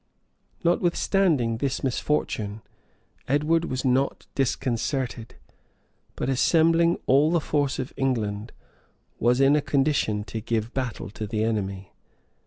{1015.} Notwithstanding this misfortune, Edmond was not disconcerted; but assembling all the force of England, was in a condition to give battle to the enemy.